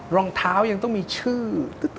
รองเท้ายังต้องมีชื่อ